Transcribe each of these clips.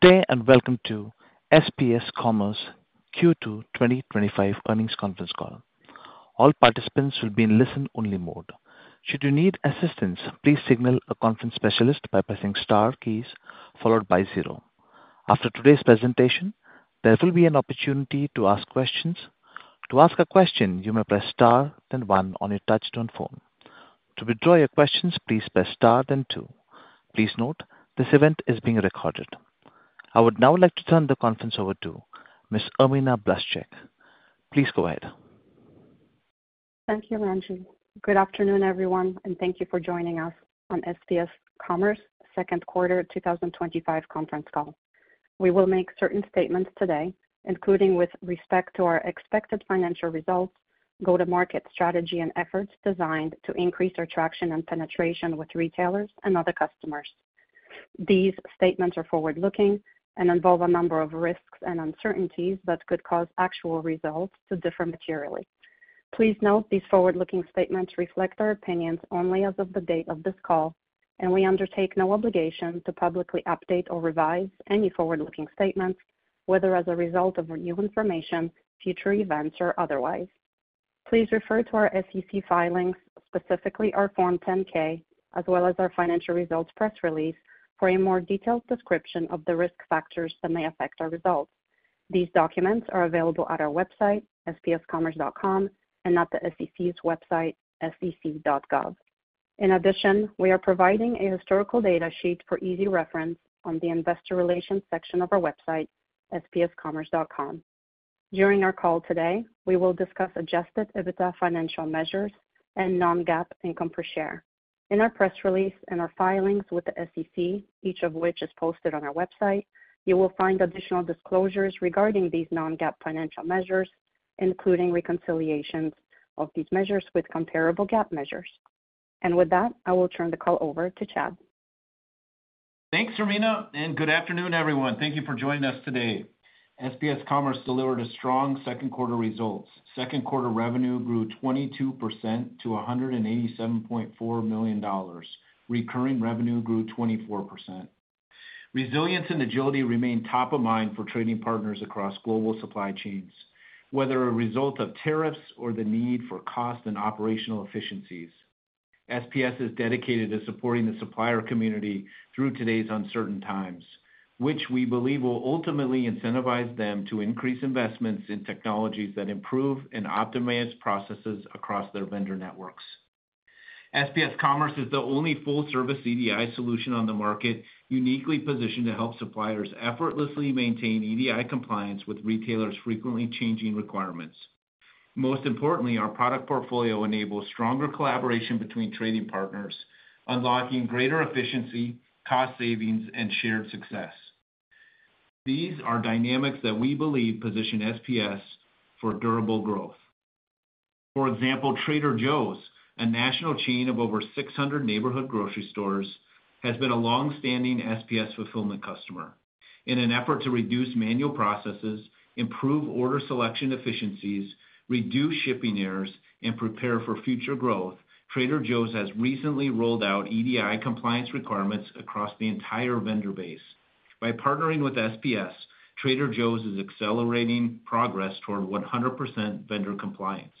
Good day and welcome to SPS Commerce Q2 2025 earnings conference call. All participants will be in listen-only mode. Should you need assistance, please signal a conference specialist by pressing star keys followed by zero. After today's presentation, there will be an opportunity to ask questions. To ask a question, you may press star, then one on your touch-tone phone. To withdraw your questions, please press star, then two. Please note this event is being recorded. I would now like to turn the conference over to Ms. Irmina Blaszczyk. Please go ahead. Thank you, Ramji. Good afternoon, everyone, and thank you for joining us on SPS Commerce second quarter 2025 conference call. We will make certain statements today, including with respect to our expected financial results, go-to-market strategy, and efforts designed to increase our traction and penetration with retailers and other customers. These statements are forward-looking and involve a number of risks and uncertainties that could cause actual results to differ materially. Please note these forward-looking statements reflect our opinions only as of the date of this call, and we undertake no obligation to publicly update or revise any forward-looking statements, whether as a result of new information, future events, or otherwise. Please refer to our SEC filings, specifically our Form 10-K, as well as our financial results press release for a more detailed description of the risk factors that may affect our results. These documents are available at our website, spscommerce.com, and at the SEC's website, sec.gov. In addition, we are providing a historical data sheet for easy reference on the investor relations section of our website, spscommerce.com. During our call today, we will discuss adjusted EBITDA financial measures and non-GAAP income per share. In our press release and our filings with the SEC, each of which is posted on our website, you will find additional disclosures regarding these non-GAAP financial measures, including reconciliations of these measures with comparable GAAP measures. With that, I will turn the call over to Chad. Thanks, Ramina. Good afternoon, everyone. Thank you for joining us today. SPS Commerce delivered strong second quarter results. Second quarter revenue grew 22% to $187.4 million. Recurring revenue grew 24%. Resilience and agility remain top of mind for trading partners across global supply chains, whether a result of tariffs or the need for cost and operational efficiencies. SPS is dedicated to supporting the supplier community through today's uncertain times, which we believe will ultimately incentivize them to increase investments in technologies that improve and optimize processes across their vendor networks. SPS Commerce is the only full-service EDI solution on the market, uniquely positioned to help suppliers effortlessly maintain EDI compliance with retailers' frequently changing requirements. Most importantly, our product portfolio enables stronger collaboration between trading partners, unlocking greater efficiency, cost savings, and shared success. These are dynamics that we believe position SPS for durable growth. For example, Trader Joe’s, a national chain of over 600 neighborhood grocery stores, has been a longstanding SPS fulfillment customer. In an effort to reduce manual processes, improve order selection efficiencies, reduce shipping errors, and prepare for future growth, Trader Joe’s has recently rolled out EDI compliance requirements across the entire vendor base. By partnering with SPS, Trader Joe’s is accelerating progress toward 100% vendor compliance.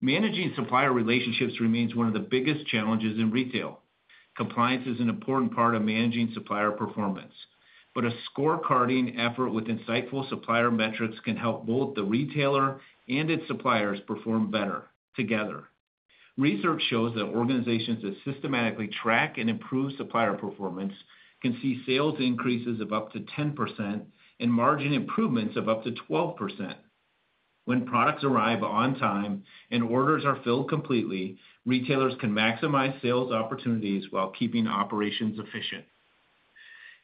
Managing supplier relationships remains one of the biggest challenges in retail. Compliance is an important part of managing supplier performance, but a scorecarding effort with insightful supplier metrics can help both the retailer and its suppliers perform better together. Research shows that organizations that systematically track and improve supplier performance can see sales increases of up to 10% and margin improvements of up to 12%. When products arrive on time and orders are filled completely, retailers can maximize sales opportunities while keeping operations efficient.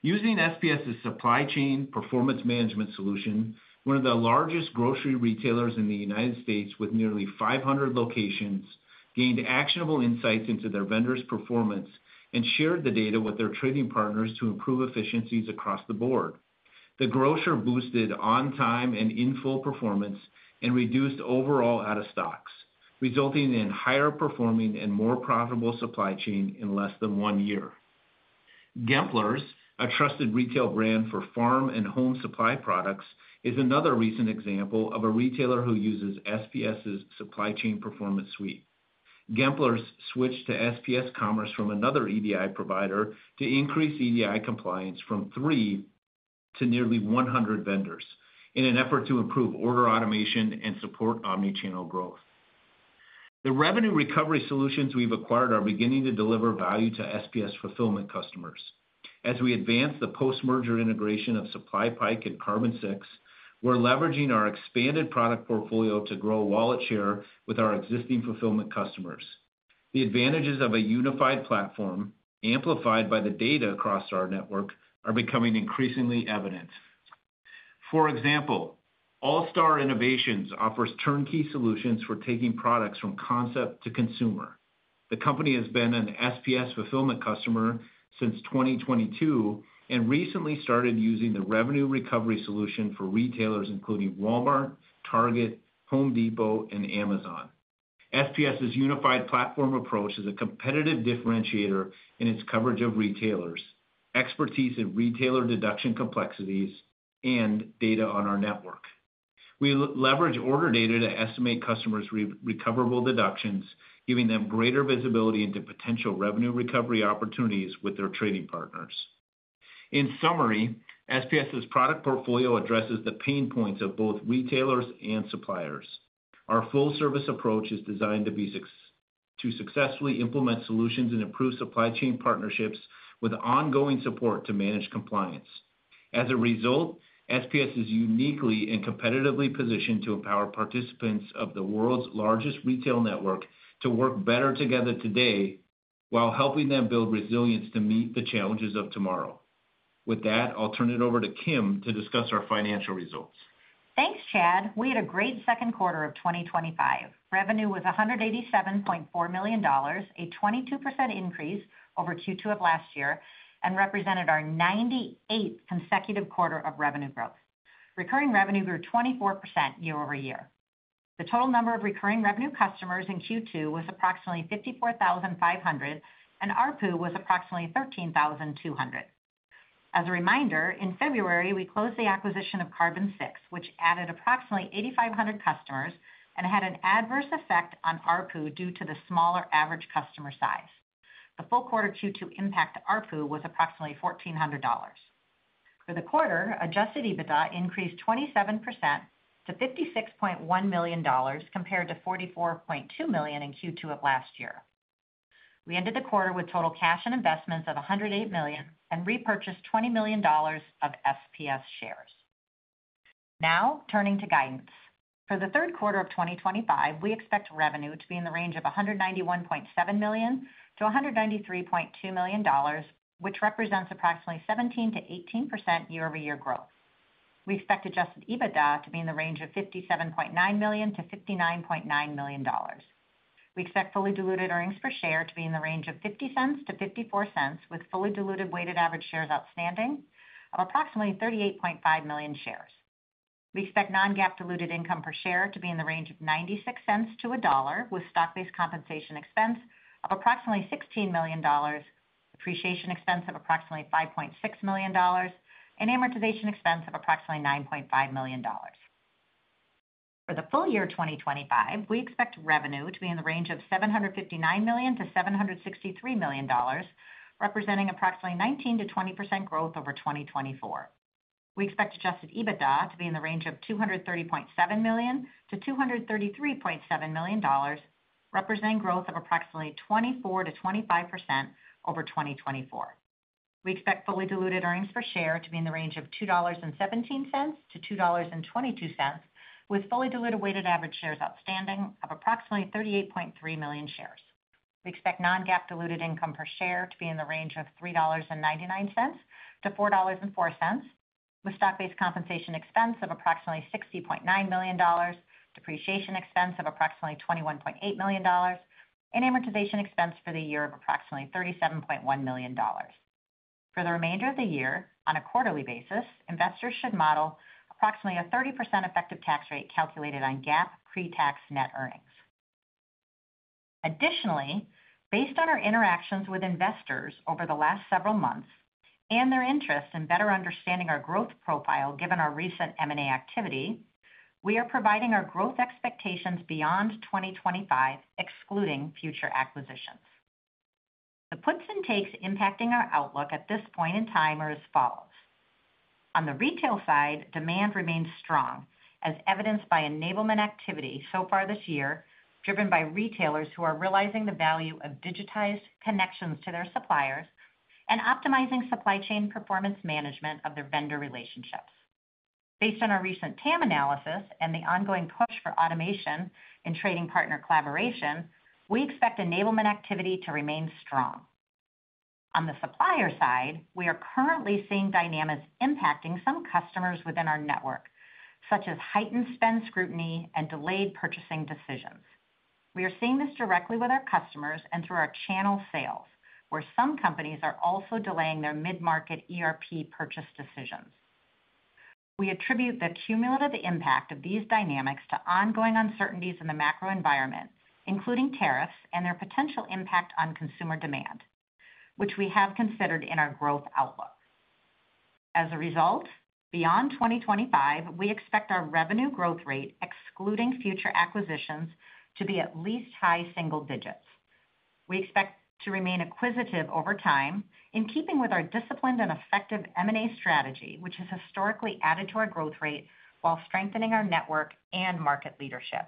Using SPS's supply chain performance management solution, one of the largest grocery retailers in the United States with nearly 500 locations, gained actionable insights into their vendors' performance and shared the data with their trading partners to improve efficiencies across the board. The grocer boosted on-time and in-full performance and reduced overall out of stocks, resulting in a higher performing and more profitable supply chain in less than one year. Gempler’s, a trusted retail brand for farm and home supply products, is another recent example of a retailer who uses SPS’s supply chain performance suite. Gempler’s switched to SPS Commerce from another EDI provider to increase EDI compliance from three to nearly 100 vendors in an effort to improve order automation and support omnichannel growth. The revenue recovery solutions we’ve acquired are beginning to deliver value to SPS fulfillment customers. As we advance the post-merger integration of SupplyPike and Carbon6, we’re leveraging our expanded product portfolio to grow wallet share with our existing fulfillment customers. The advantages of a unified platform, amplified by the data across our network, are becoming increasingly evident. For example, All Star Innovations offers turnkey solutions for taking products from concept to consumer. The company has been an SPS fulfillment customer since 2022 and recently started using the revenue recovery solution for retailers including Walmart, Target, Home Depot, and Amazon. SPS’s unified platform approach is a competitive differentiator in its coverage of retailers, expertise in retailer deduction complexities, and data on our network. We leverage order data to estimate customers’ recoverable deductions, giving them greater visibility into potential revenue recovery opportunities with their trading partners. In summary, SPS’s product portfolio addresses the pain points of both retailers and suppliers. Our full-service approach is designed to successfully implement solutions and improve supply chain partnerships with ongoing support to manage compliance. As a result, SPS is uniquely and competitively positioned to empower participants of the world’s largest retail network to work better together today while helping them build resilience to meet the challenges of tomorrow. With that, I’ll turn it over to Kim to discuss our financial results. Thanks, Chad. We had a great second quarter of 2025. Revenue was $187.4 million, a 22% increase over Q2 of last year, and represented our 98th consecutive quarter of revenue growth. Recurring revenue grew 24% year-over-year. The total number of recurring revenue customers in Q2 was approximately 54,500, and ARPU was approximately $13,200. As a reminder, in February, we closed the acquisition of Carbon6, which added approximately 8,500 customers and had an adverse effect on ARPU due to the smaller average customer size. The full quarter Q2 impact to ARPU was approximately $1,400. For the quarter, adjusted EBITDA increased 27% to $56.1 million compared to $44.2 million in Q2 of last year. We ended the quarter with total cash and investments of $108 million and repurchased $20 million of SPS shares. Now, turning to guidance. For the third quarter of 2025, we expect revenue to be in the range of $191.7 million-$193.2 million, which represents approximately 17%-18% year-over-year growth. We expect adjusted EBITDA to be in the range of $57.9 million-$59.9 million. We expect fully diluted earnings per share to be in the range of $0.50-$0.54, with fully diluted weighted average shares outstanding of approximately 38.5 million shares. We expect non-GAAP diluted income per share to be in the range of $0.96-$1.00, with stock-based compensation expense of approximately $16 million, depreciation expense of approximately $5.6 million, and amortization expense of approximately $9.5 million. For the full year 2025, we expect revenue to be in the range of $759 million-$763 million, representing approximately 19%-20% growth over 2024. We expect adjusted EBITDA to be in the range of $230.7 million-$233.7 million, representing growth of approximately 24%-25% over 2024. We expect fully diluted earnings per share to be in the range of $2.17-$2.22, with fully diluted weighted average shares outstanding of approximately 38.3 million shares. We expect non-GAAP diluted income per share to be in the range of $3.99-$4.04, with stock-based compensation expense of approximately $60.9 million, depreciation expense of approximately $21.8 million, and amortization expense for the year of approximately $37.1 million. For the remainder of the year, on a quarterly basis, investors should model approximately a 30% effective tax rate calculated on GAAP pre-tax net earnings. Additionally, based on our interactions with investors over the last several months and their interest in better understanding our growth profile, given our recent M&A activity, we are providing our growth expectations beyond 2025, excluding future acquisitions. The puts and takes impacting our outlook at this point in time are as follows. On the retail side, demand remains strong, as evidenced by enablement activity so far this year, driven by retailers who are realizing the value of digitized connections to their suppliers and optimizing supply chain performance management of their vendor relationships. Based on our recent TAM analysis and the ongoing push for automation in trading partner collaboration, we expect enablement activity to remain strong. On the supplier side, we are currently seeing dynamics impacting some customers within our network, such as heightened spend scrutiny and delayed purchasing decisions. We are seeing this directly with our customers and through our channel sales, where some companies are also delaying their mid-market ERP purchase decisions. We attribute the cumulative impact of these dynamics to ongoing uncertainties in the macro environment, including tariffs and their potential impact on consumer demand, which we have considered in our growth outlook. As a result, beyond 2025, we expect our revenue growth rate, excluding future acquisitions, to be at least high single digits. We expect to remain acquisitive over time, in keeping with our disciplined and effective M&A strategy, which has historically added to our growth rate while strengthening our network and market leadership.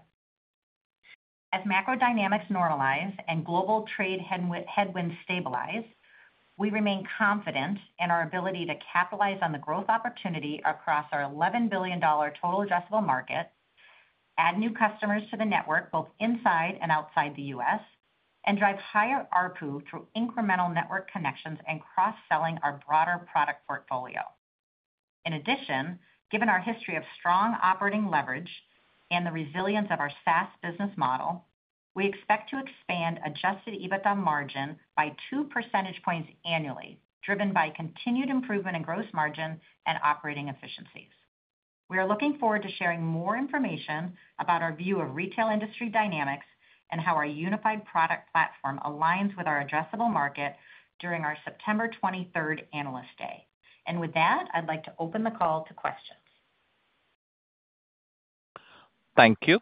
As macro dynamics normalize and global trade headwinds stabilize, we remain confident in our ability to capitalize on the growth opportunity across our $11 billion total addressable market, add new customers to the network both inside and outside the U.S., and drive higher ARPU through incremental network connections and cross-selling our broader product portfolio. In addition, given our history of strong operating leverage and the resilience of our SaaS business model, we expect to expand adjusted EBITDA margin by 2% annually, driven by continued improvement in gross margin and operating efficiencies. We are looking forward to sharing more information about our view of retail industry dynamics and how our unified product platform aligns with our addressable market during our September 23 analyst day. I'd like to open the call to questions. Thank you.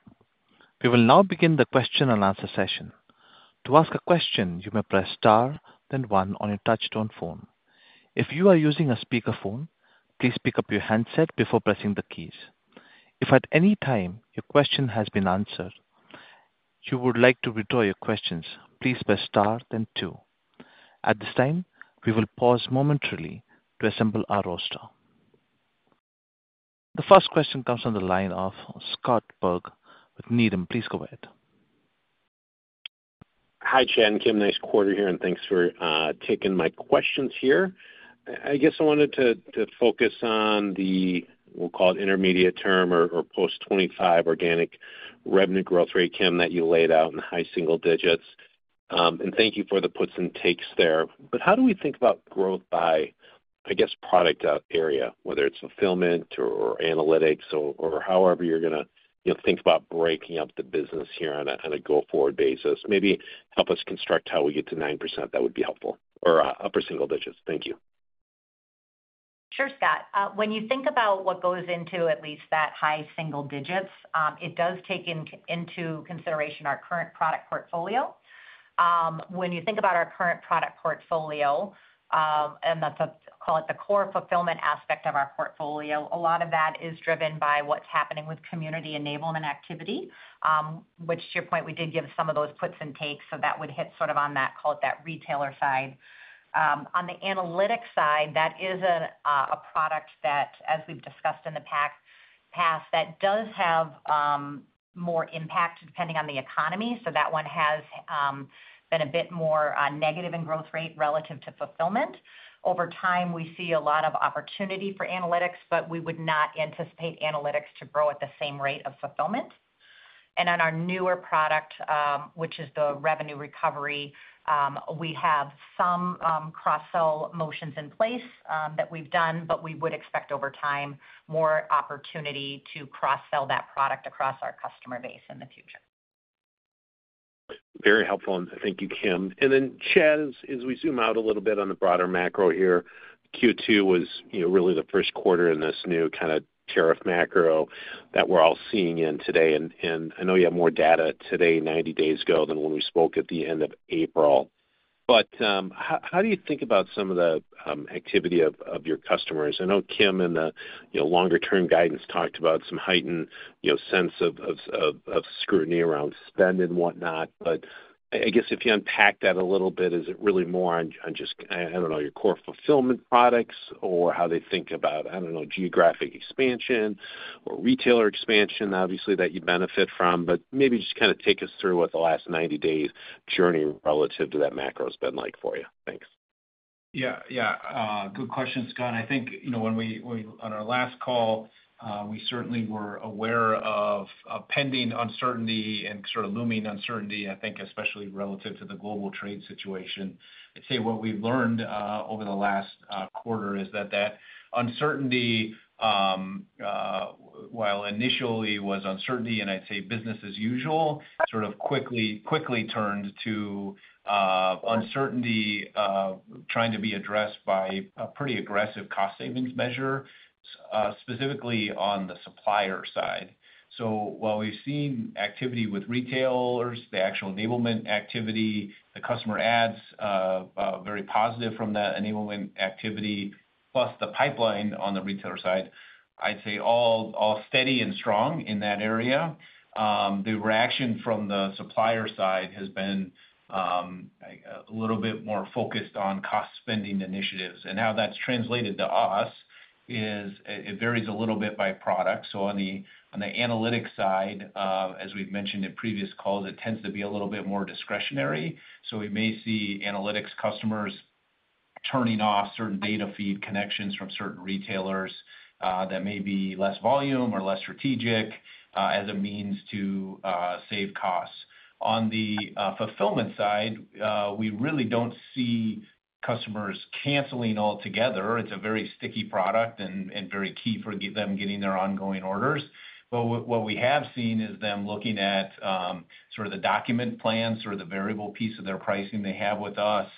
We will now begin the question-and-answer session. To ask a question, you may press star, then one on your touch-tone phone. If you are using a speakerphone, please pick up your handset before pressing the keys. If at any time your question has been answered or you would like to withdraw your questions, please press star, then two. At this time, we will pause momentarily to assemble our roster. The first question comes from the line of Scott Berg with Needham. Please go ahead. Hi, Chad. And Kim, nice quarter here, and thanks for taking my questions here. I guess I wanted to focus on the, we'll call it intermediate term or post 2025 organic revenue growth rate, Kim, that you laid out in the high single digits. Thank you for the puts and takes there. How do we think about growth by, I guess, product area, whether it's fulfillment or analytics or however you're going to think about breaking up the business here on a go-forward basis? Maybe help us construct how we get to 9%. That would be helpful or upper single digits. Thank you. Sure, Scott. When you think about what goes into at least that high single digits, it does take into consideration our current product portfolio. When you think about our current product portfolio, and let's call it the core fulfillment aspect of our portfolio, a lot of that is driven by what's happening with community enablement activity, which to your point, we did give some of those puts and takes. That would hit sort of on that, call it that retailer side. On the analytics side, that is a product that, as we've discussed in the past, does have more impact depending on the economy. That one has been a bit more negative in growth rate relative to fulfillment. Over time, we see a lot of opportunity for analytics, but we would not anticipate analytics to grow at the same rate of fulfillment. On our newer product, which is the revenue recovery, we have some cross-sell motions in place that we've done, but we would expect over time more opportunity to cross-sell that product across our customer base in the future. Very helpful. Thank you, Kim. Chad, as we zoom out a little bit on the broader macro here, Q2 was really the first quarter in this new kind of tariff macro that we're all seeing today. I know you have more data today, 90 days ago than when we spoke at the end of April. How do you think about some of the activity of your customers? I know Kim and the longer-term guidance talked about some heightened sense of scrutiny around spend and whatnot. If you unpack that a little bit, is it really more on just your core fulfillment products or how they think about geographic expansion or retailer expansion, obviously, that you benefit from? Maybe just take us through what the last 90 days' journey relative to that macro has been like for you. Thanks. Yeah, good question, Scott. I think, you know, when we, on our last call, we certainly were aware of pending uncertainty and sort of looming uncertainty, especially relative to the global trade situation. I'd say what we've learned over the last quarter is that uncertainty, while initially was uncertainty and business as usual, quickly turned to uncertainty trying to be addressed by a pretty aggressive cost savings measure, specifically on the supplier side. While we've seen activity with retailers, the actual enablement activity, the customer adds are very positive from that enablement activity, plus the pipeline on the retailer side, all steady and strong in that area. The reaction from the supplier side has been a little bit more focused on cost spending initiatives. How that's translated to us is it varies a little bit by product. On the analytics side, as we've mentioned in previous calls, it tends to be a little bit more discretionary. We may see analytics customers turning off certain data feed connections from certain retailers that may be less volume or less strategic as a means to save costs. On the fulfillment side, we really don't see customers canceling altogether. It's a very sticky product and very key for them getting their ongoing orders. What we have seen is them looking at the document plans or the variable piece of their pricing they have with us,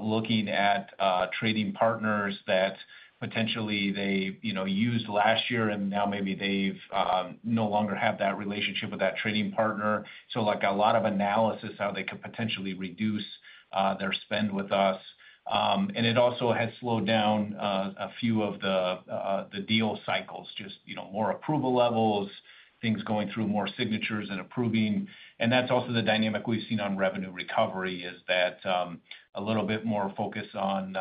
looking at trading partners that potentially they used last year, and now maybe they no longer have that relationship with that trading partner. A lot of analysis on how they could potentially reduce their spend with us. It also has slowed down a few of the deal cycles, just more approval levels, things going through more signatures and approving. That's also the dynamic we've seen on revenue recovery, a little bit more focus on the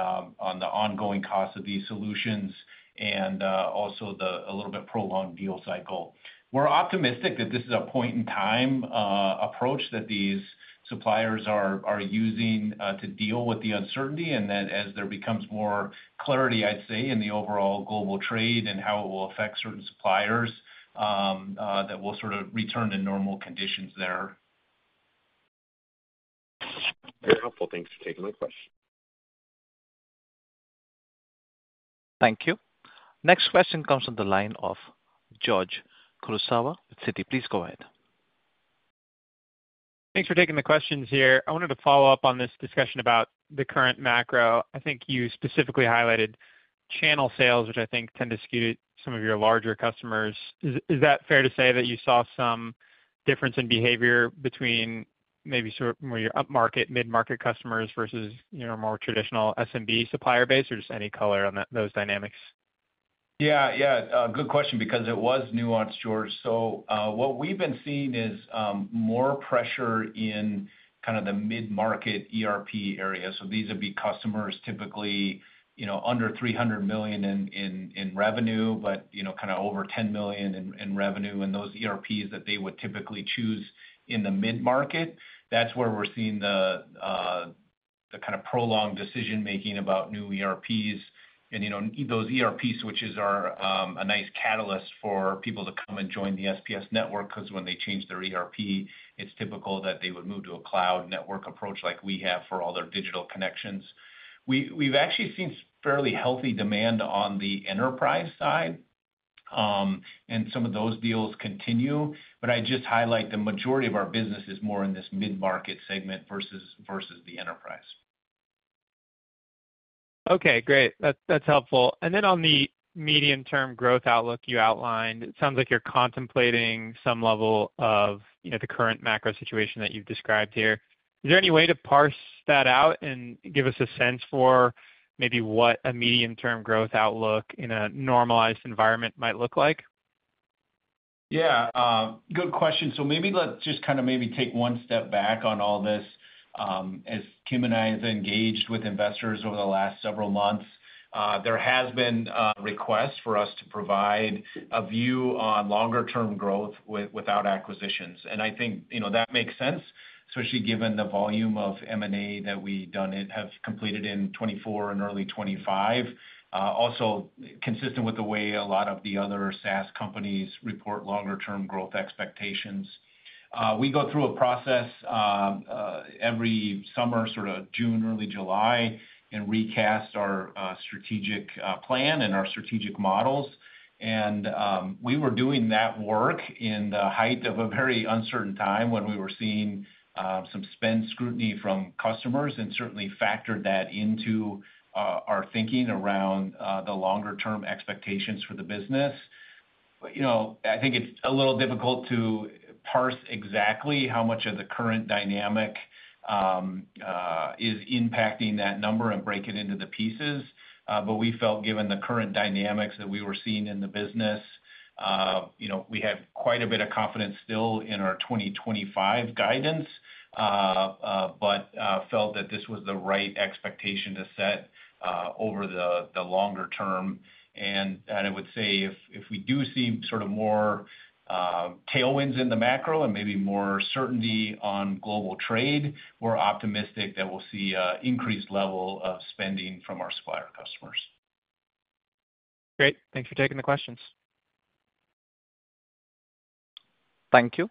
ongoing cost of these solutions and also a little bit prolonged deal cycle. We're optimistic that this is a point-in-time approach that these suppliers are using to deal with the uncertainty and that as there becomes more clarity, in the overall global trade and how it will affect certain suppliers, that will sort of return to normal conditions there. Very helpful. Thanks for taking my question. Thank you. Next question comes from the line of George Kurosawa with Citi. Please go ahead. Thanks for taking the questions here. I wanted to follow up on this discussion about the current macro. I think you specifically highlighted channel sales, which I think tend to skew some of your larger customers. Is that fair to say that you saw some difference in behavior between maybe sort of more your upmarket, midmarket customers versus your more traditional SMB supplier base, or just any color on those dynamics? Good question because it was nuanced, George. What we've been seeing is more pressure in kind of the midmarket ERP area. These would be customers typically under $300 million in revenue, but kind of over $10 million in revenue. Those ERPs that they would typically choose in the midmarket, that's where we're seeing the kind of prolonged decision-making about new ERPs. Those ERP switches are a nice catalyst for people to come and join the SPS Commerce network because when they change their ERP, it's typical that they would move to a cloud network approach like we have for all their digital connections. We've actually seen fairly healthy demand on the enterprise side, and some of those deals continue. I'd just highlight the majority of our business is more in this midmarket segment versus the enterprise. Okay, great. That's helpful. On the medium-term growth outlook you outlined, it sounds like you're contemplating some level of the current macro situation that you've described here. Is there any way to parse that out and give us a sense for maybe what a medium-term growth outlook in a normalized environment might look like? Yeah, good question. Maybe let's just kind of take one step back on all this. As Kim and I have engaged with investors over the last several months, there has been a request for us to provide a view on longer-term growth without acquisitions. I think that makes sense, especially given the volume of M&A that we have completed in 2024 and early 2025, also consistent with the way a lot of the other SaaS companies report longer-term growth expectations. We go through a process every summer, sort of June, early July, and recast our strategic plan and our strategic models. We were doing that work in the height of a very uncertain time when we were seeing some spend scrutiny from customers and certainly factored that into our thinking around the longer-term expectations for the business. I think it's a little difficult to parse exactly how much of the current dynamic is impacting that number and break it into the pieces. We felt, given the current dynamics that we were seeing in the business, we have quite a bit of confidence still in our 2025 guidance, but felt that this was the right expectation to set over the longer term. I would say if we do see more tailwinds in the macro and maybe more certainty on global trade, we're optimistic that we'll see an increased level of spending from our supplier customers. Great. Thanks for taking the questions. Thank you.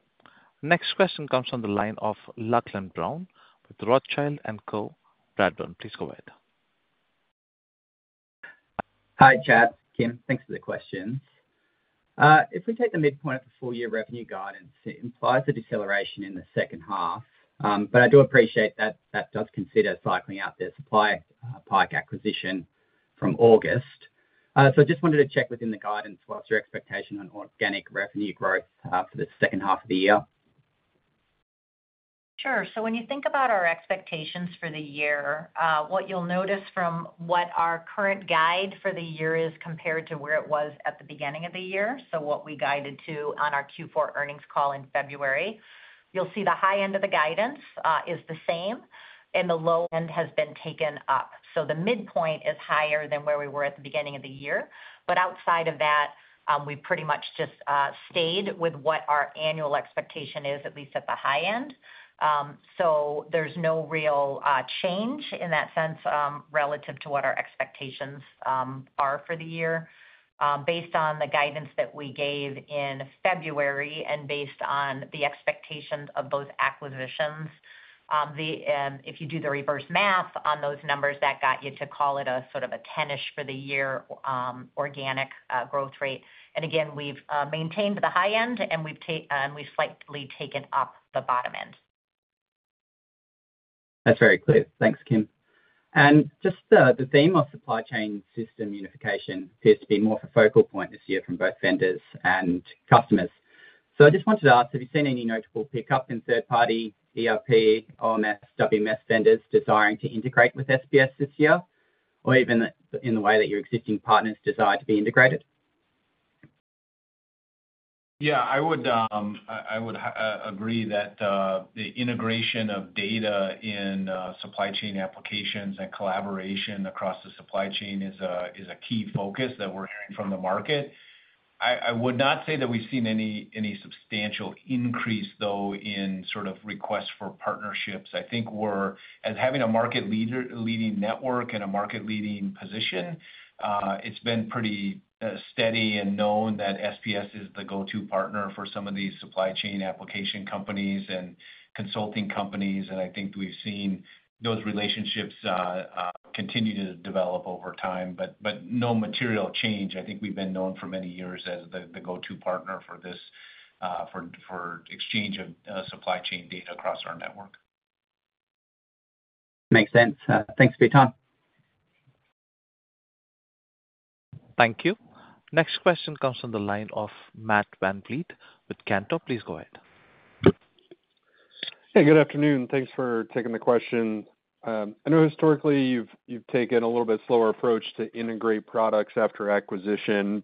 Next question comes from the line of Lachlan Brown with Rothschild & Co. Please go ahead. Hi, Chad, Kim. Thanks for the question. If we take the midpoint of the full-year revenue guidance, it implies a deceleration in the second half. I do appreciate that that does consider cycling out their SupplyPike acquisition from August. I just wanted to check within the guidance, what's your expectation on organic revenue growth for the second half of the year? Sure. When you think about our expectations for the year, what you'll notice from what our current guide for the year is compared to where it was at the beginning of the year, what we guided to on our Q4 earnings call in February, you'll see the high end of the guidance is the same, and the low end has been taken up. The midpoint is higher than where we were at the beginning of the year. Outside of that, we pretty much just stayed with what our annual expectation is, at least at the high end. There's no real change in that sense relative to what our expectations are for the year. Based on the guidance that we gave in February and based on the expectations of those acquisitions, if you do the reverse math on those numbers, that got you to call it a sort of a 10% for the year organic growth rate. We've maintained the high end, and we've slightly taken up the bottom end. That's very clear. Thanks, Kim. The theme of supply chain system unification appears to be more of a focal point this year from both vendors and customers. I just wanted to ask, have you seen any notable pickup in third-party ERP, OMS, WMS vendors desiring to integrate with SPS Commerce this year, or even in the way that your existing partners desire to be integrated? Yeah, I would agree that the integration of data in supply chain applications and collaboration across the supply chain is a key focus that we're hearing from the market. I would not say that we've seen any substantial increase, though, in sort of requests for partnerships. I think we're, as having a market-leading network and a market-leading position, it's been pretty steady and known that SPS Commerce is the go-to partner for some of these supply chain application companies and consulting companies. I think we've seen those relationships continue to develop over time. No material change. I think we've been known for many years as the go-to partner for exchange of supply chain data across our network. Makes sense. Thanks, Collins. Thank you. Next question comes from the line of Matt Van Vliet with Cantor. Please go ahead. Good afternoon. Thanks for taking the question. I know historically you've taken a little bit slower approach to integrate products after acquisition.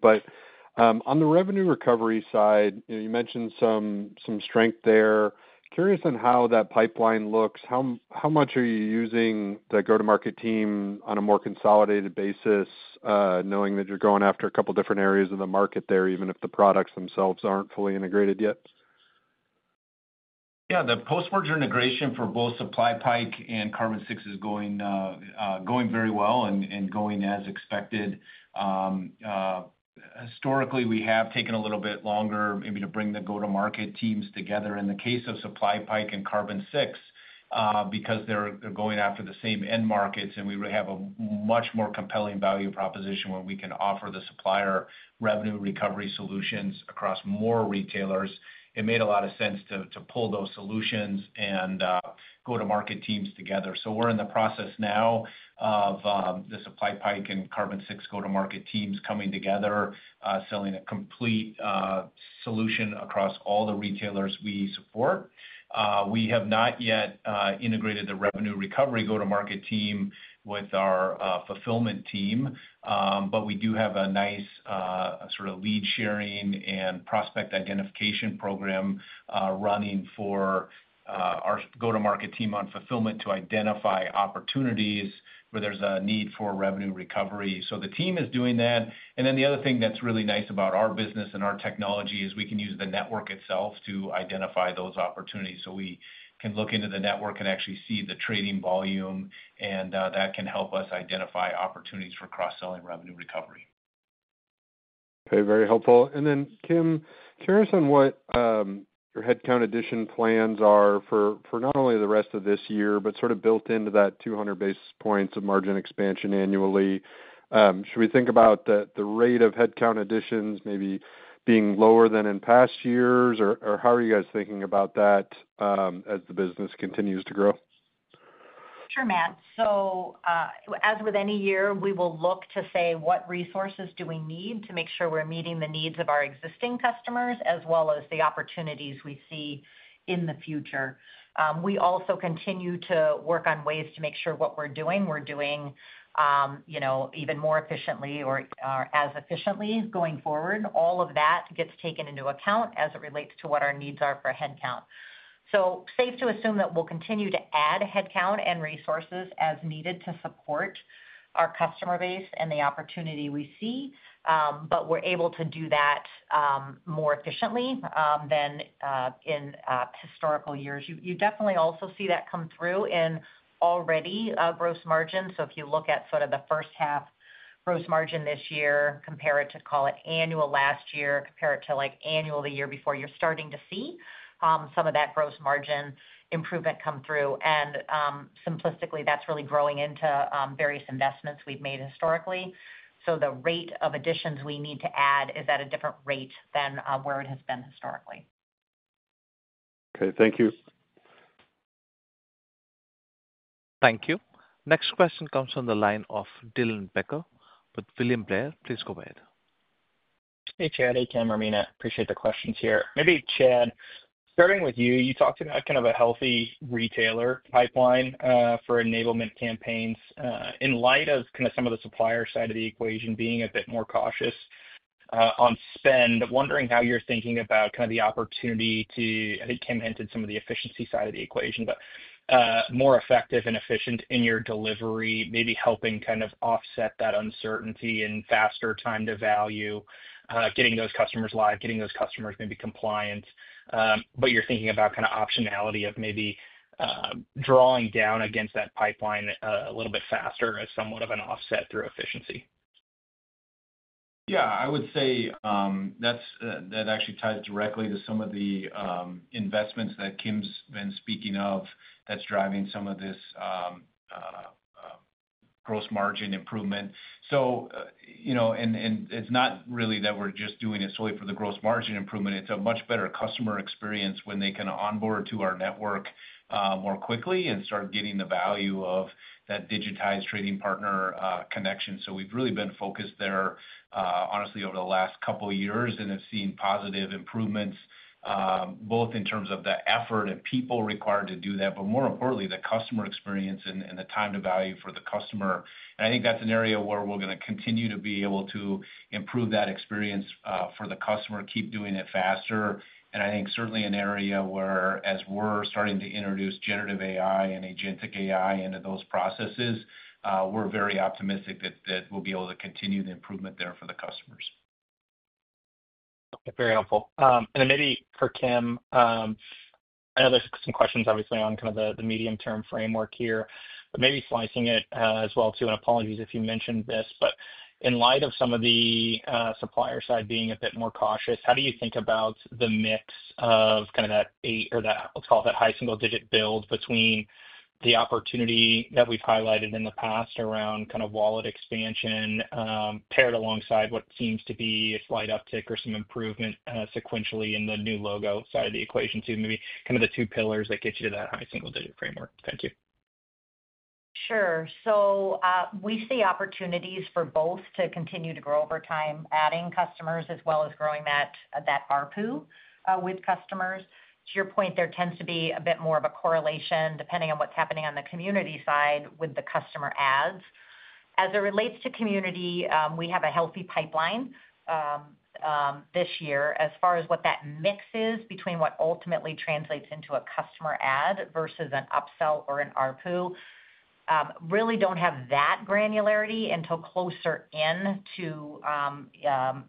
On the revenue recovery side, you mentioned some strength there. Curious on how that pipeline looks. How much are you using the go-to-market team on a more consolidated basis, knowing that you're going after a couple of different areas of the market there, even if the products themselves aren't fully integrated yet? Yeah, the post-merger integration for both SupplyPike and Carbon6 is going very well and going as expected. Historically, we have taken a little bit longer maybe to bring the go-to-market teams together in the case of SupplyPike and Carbon6 because they're going after the same end markets, and we really have a much more compelling value proposition when we can offer the supplier revenue recovery solutions across more retailers. It made a lot of sense to pull those solutions and go-to-market teams together. We are in the process now of the SupplyPike and Carbon6 go-to-market teams coming together, selling a complete solution across all the retailers we support. We have not yet integrated the revenue recovery go-to-market team with our fulfillment team, but we do have a nice sort of lead sharing and prospect identification program running for our go-to-market team on fulfillment to identify opportunities where there's a need for revenue recovery. The team is doing that. The other thing that's really nice about our business and our technology is we can use the network itself to identify those opportunities. We can look into the network and actually see the trading volume, and that can help us identify opportunities for cross-selling revenue recovery. Okay, very helpful. Kim, curious on what your headcount addition plans are for not only the rest of this year, but sort of built into that 200 basis points of margin expansion annually. Should we think about the rate of headcount additions maybe being lower than in past years, or how are you guys thinking about that as the business continues to grow? Sure, Matt. As with any year, we will look to say what resources do we need to make sure we're meeting the needs of our existing customers as well as the opportunities we see in the future. We also continue to work on ways to make sure what we're doing, we're doing even more efficiently or as efficiently going forward. All of that gets taken into account as it relates to what our needs are for headcount. It is safe to assume that we'll continue to add headcount and resources as needed to support our customer base and the opportunity we see. We're able to do that more efficiently than in historical years. You definitely also see that come through in already gross margins. If you look at sort of the first half gross margin this year, compare it to, call it, annual last year, compare it to like annual the year before, you're starting to see some of that gross margin improvement come through. Simplistically, that's really growing into various investments we've made historically. The rate of additions we need to add is at a different rate than where it has been historically. Okay, thank you. Thank you. Next question comes from the line of Dylan Becker with William Blair. Please go ahead. Hey, Chad. Hey, Kim, Irmina. Appreciate the questions here. Maybe, Chad, starting with you, you talked about kind of a healthy retailer pipeline for enablement campaigns in light of kind of some of the supplier side of the equation being a bit more cautious on spend. Wondering how you're thinking about kind of the opportunity to, I think Kim hinted to some of the efficiency side of the equation, but more effective and efficient in your delivery, maybe helping kind of offset that uncertainty and faster time to value, getting those customers live, getting those customers maybe compliant. You're thinking about kind of optionality of maybe drawing down against that pipeline a little bit faster as somewhat of an offset through efficiency. Yeah, I would say that actually ties directly to some of the investments that Kim's been speaking of that's driving some of this gross margin improvement. It's not really that we're just doing it solely for the gross margin improvement. It's a much better customer experience when they kind of onboard to our network more quickly and start getting the value of that digitized trading partner connection. We've really been focused there, honestly, over the last couple of years and have seen positive improvements, both in terms of the effort and people required to do that, but more importantly, the customer experience and the time to value for the customer. I think that's an area where we're going to continue to be able to improve that experience for the customer, keep doing it faster. I think certainly an area where, as we're starting to introduce generative AI and agentic AI into those processes, we're very optimistic that we'll be able to continue the improvement there for the customers. Very helpful. Maybe for Kim, I know there's some questions, obviously, on kind of the medium-term framework here, but maybe slicing it as well too. Apologies if you mentioned this, but in light of some of the supplier side being a bit more cautious, how do you think about the mix of kind of that eight or that, let's call it that high single-digit build between the opportunity that we've highlighted in the past around kind of wallet expansion, paired alongside what seems to be a slight uptick or some improvement sequentially in the new logo side of the equation too, maybe kind of the two pillars that get you to that high single-digit framework? Thank you. Sure. We see opportunities for both to continue to grow over time, adding customers as well as growing that ARPU with customers. To your point, there tends to be a bit more of a correlation depending on what's happening on the community side with the customer adds. As it relates to community, we have a healthy pipeline this year. As far as what that mix is between what ultimately translates into a customer add versus an upsell or an ARPU, we really don't have that granularity until closer in to,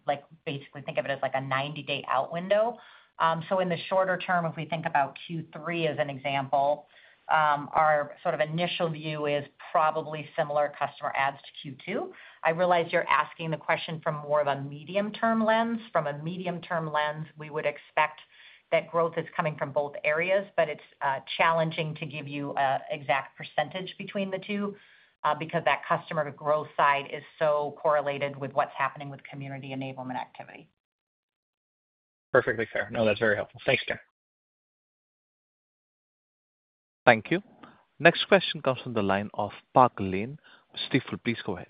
like, basically think of it as a 90-day out window. In the shorter term, if we think about Q3 as an example, our sort of initial view is probably similar customer adds to Q2. I realize you're asking the question from more of a medium-term lens. From a medium-term lens, we would expect that growth is coming from both areas, but it's challenging to give you an exact percentage between the two because that customer growth side is so correlated with what's happening with community enablement activity. Perfectly fair. No, that's very helpful. Thanks, Kim. Thank you. Next question comes from the line of Parker Lane. Stifel, please go ahead.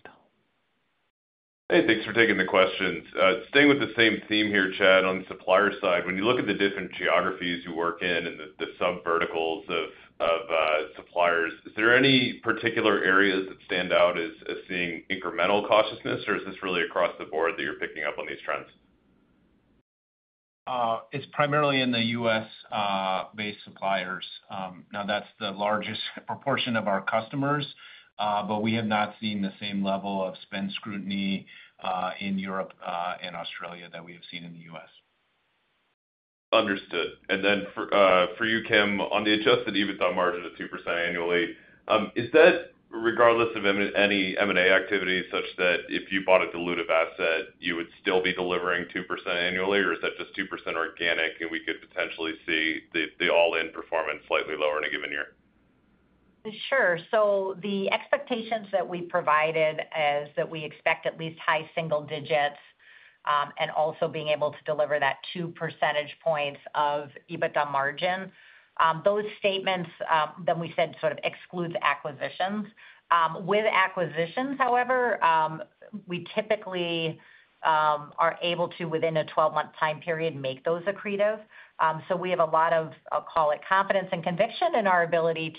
Hey, thanks for taking the questions. Staying with the same theme here, Chad, on the supplier side, when you look at the different geographies you work in and the subverticals of suppliers, is there any particular areas that stand out as seeing incremental cautiousness, or is this really across the board that you're picking up on these trends? It's primarily in the U.S.-based suppliers. Now, that's the largest proportion of our customers, but we have not seen the same level of spend scrutiny in Europe and Australia that we have seen in the U.S. Understood. For you, Kim, on the adjusted EBITDA margin at 2% annually, is that regardless of any M&A activity, such that if you bought a dilutive asset, you would still be delivering 2% annually, or is that just 2% organic and we could potentially see the all-in performance slightly lower in a given year? Sure. The expectations that we provided are that we expect at least high single digits and also being able to deliver that 2% of EBITDA margin. Those statements exclude the acquisitions. With acquisitions, however, we typically are able to, within a 12-month time period, make those accretive. We have a lot of, I'll call it, confidence and conviction in our ability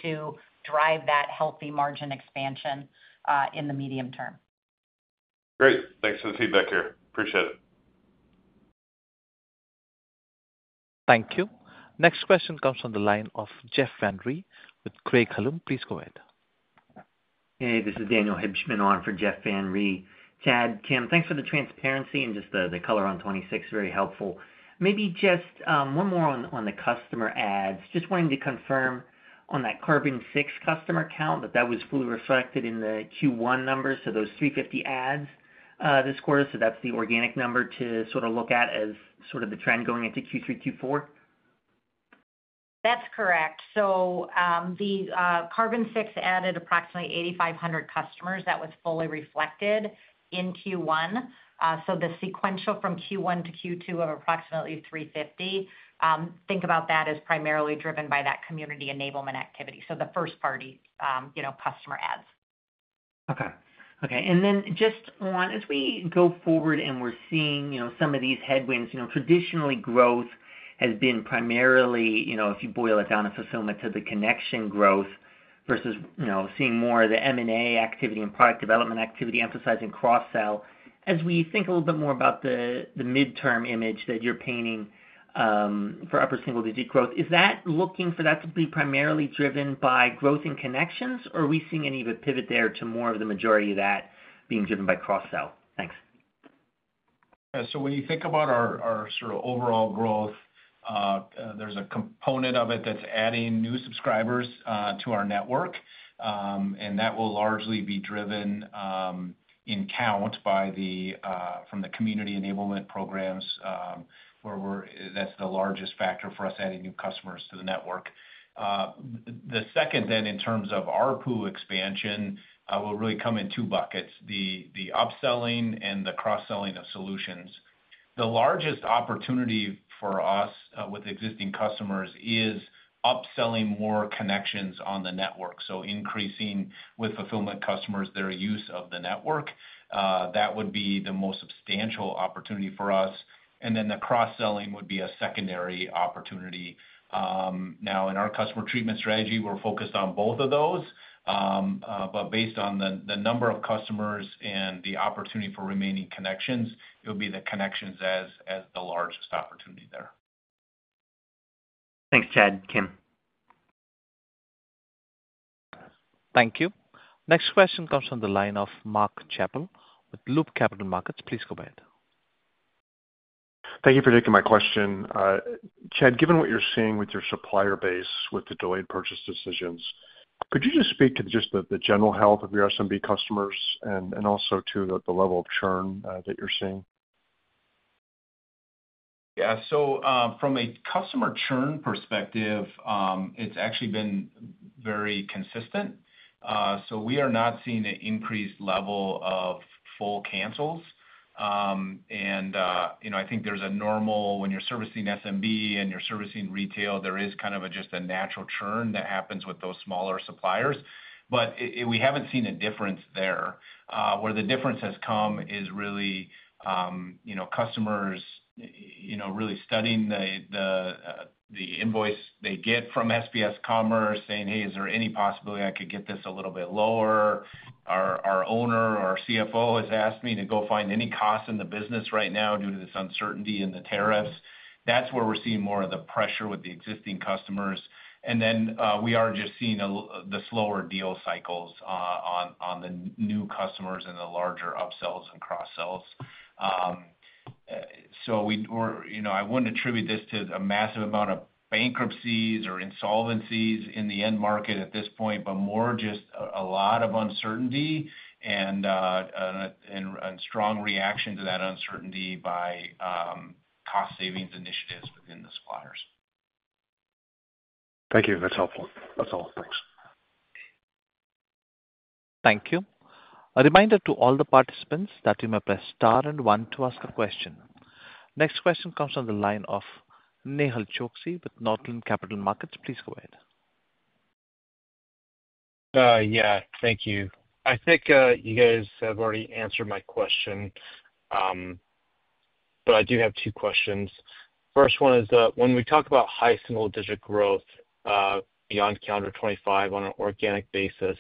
to drive that healthy margin expansion in the medium term. Great. Thanks for the feedback here. Appreciate it. Thank you. Next question comes from the line of Jeff Van Rhee with Craig Hallum. Please go ahead. Hey, this is Daniel Hibshman on for Jeff Van Rhee. Chad, Kim, thanks for the transparency and just the color on 2026. Very helpful. Maybe just one more on the customer adds. Just wanting to confirm on that Carbon6 customer count that that was fully reflected in the Q1 numbers. So those 350 adds this quarter, that's the organic number to sort of look at as sort of the trend going into Q3, Q4? That's correct. The Carbon6 added approximately 8,500 customers. That was fully reflected in Q1. The sequential from Q1 to Q2 of approximately 350, think about that as primarily driven by that community enablement activity, the first-party customer ads. Okay. As we go forward and we're seeing some of these headwinds, traditionally growth has been primarily, if you boil it down, a fissure to the connection growth versus seeing more of the M&A activity and product development activity emphasizing cross-sell. As we think a little bit more about the midterm image that you're painting for upper single-digit growth, is that looking for that to be primarily driven by growth in connections, or are we seeing any of a pivot there to more of the majority of that being driven by cross-sell? Thanks. When you think about our sort of overall growth, there's a component of it that's adding new subscribers to our network. That will largely be driven in count by the community enablement programs, where that's the largest factor for us adding new customers to the network. The second, in terms of ARPU expansion, will really come in two buckets: the upselling and the cross-selling of solutions. The largest opportunity for us with existing customers is upselling more connections on the network. Increasing with fulfillment customers their use of the network would be the most substantial opportunity for us. The cross-selling would be a secondary opportunity. In our customer treatment strategy, we're focused on both of those. Based on the number of customers and the opportunity for remaining connections, it would be the connections as the largest opportunity there. Thanks, Chad. Kim. Thank you. Next question comes from the line of Mark Schappel with Loop Capital Markets. Please go ahead. Thank you for taking my question. Chad, given what you're seeing with your supplier base with the delayed purchase decisions, could you just speak to the general health of your SMB customers and also to the level of churn that you're seeing? Yeah. From a customer churn perspective, it's actually been very consistent. We are not seeing an increased level of full cancels. I think there's a normal, when you're servicing SMB and you're servicing retail, there is kind of just a natural churn that happens with those smaller suppliers. We haven't seen a difference there. Where the difference has come is really customers really studying the invoice they get from SPS Commerce, saying, "Hey, is there any possibility I could get this a little bit lower? Our owner or our CFO has asked me to go find any costs in the business right now due to this uncertainty in the tariffs." That's where we're seeing more of the pressure with the existing customers. We are just seeing the slower deal cycles on the new customers and the larger upsells and cross-sells. I wouldn't attribute this to a massive amount of bankruptcies or insolvencies in the end market at this point, but more just a lot of uncertainty and a strong reaction to that uncertainty by cost-savings initiatives within the suppliers. Thank you. That's helpful. That's all. Thanks. Thank you. A reminder to all the participants that you may press star and one to ask a question. Next question comes from the line of Nehal Chokshi with Northland Capital Markets. Please go ahead. Thank you. I think you guys have already answered my question, but I do have two questions. First one is when we talk about high single-digit growth beyond calendar 2025 on an organic basis,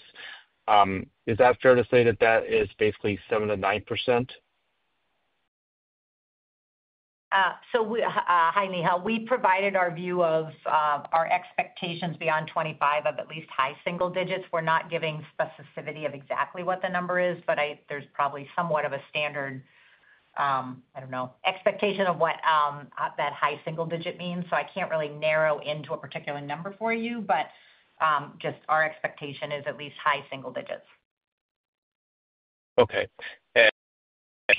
is that fair to say that that is basically 7%-9%? Hi, Nehal. We provided our view of our expectations beyond 2025 of at least high single digits. We're not giving specificity of exactly what the number is, but there's probably somewhat of a standard expectation of what that high single digit means. I can't really narrow into a particular number for you, but just our expectation is at least high single digits. Okay.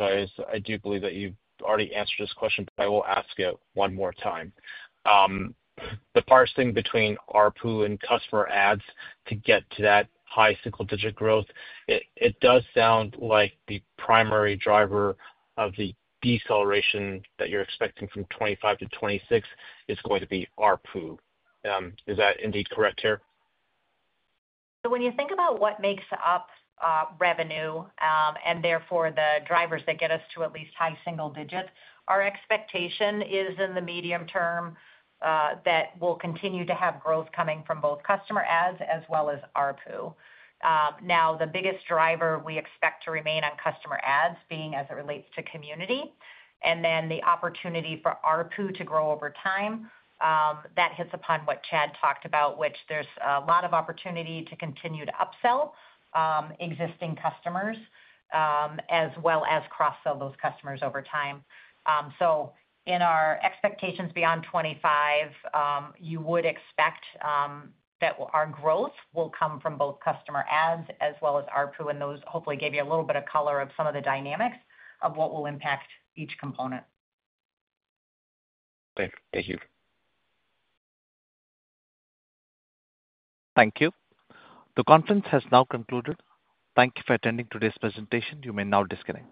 I do believe that you've already answered this question, but I will ask it one more time. The parsing between ARPU and customer ads to get to that high single-digit growth, it does sound like the primary driver of the deceleration that you're expecting from 2025-2026 is going to be ARPU. Is that indeed correct here? When you think about what makes up revenue and therefore the drivers that get us to at least high single digits, our expectation is in the medium term that we'll continue to have growth coming from both customer ads as well as ARPU. The biggest driver we expect to remain on customer ads being as it relates to community and then the opportunity for ARPU to grow over time, that hits upon what Chad talked about, which there's a lot of opportunity to continue to upsell existing customers as well as cross-sell those customers over time. In our expectations beyond 2025, you would expect that our growth will come from both customer ads as well as ARPU, and those hopefully gave you a little bit of color of some of the dynamics of what will impact each component. Thank you. Thank you. The conference has now concluded. Thank you for attending today's presentation. You may now disconnect.